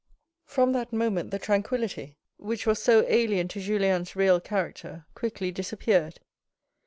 From that moment the tranquillity which was so alien to Julien's real character quickly disappeared.